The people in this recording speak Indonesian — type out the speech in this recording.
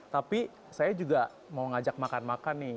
tapi saya juga mau ngajak makan makan nih